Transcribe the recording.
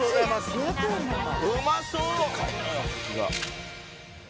うまそう！